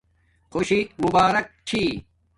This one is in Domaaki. خوشی مبارک چھی